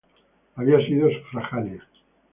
Había sido sufragánea.